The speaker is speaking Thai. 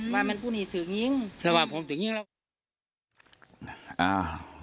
ว่ามันผู้หนีสื่องิ้งระหว่างผมสื่องิ้งแล้ว